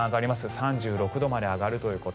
３６度まで上がるということ。